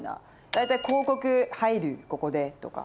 大体広告入るここでとか。